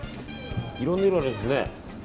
いろんな色あるんですよね。